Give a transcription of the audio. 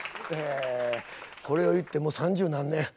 ええこれを言ってもう３０何年。